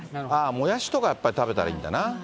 モヤシとかやっぱり食べたらいいんだな。